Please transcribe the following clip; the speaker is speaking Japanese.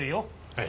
はい。